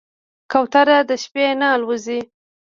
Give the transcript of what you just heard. کوتره د شپې نه الوزي.